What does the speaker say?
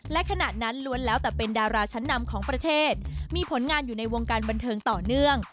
และขณะนั้นล้วนแล้วแต่เป็นดาราชั้นนำของประเทศมีผลงานอยู่ในวงการบันเทิงต่อเนื่อง